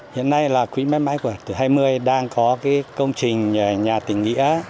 hiện nay là quỹ mãi mãi của tuổi hai mươi đang có cái công trình nhà tỉnh nghĩa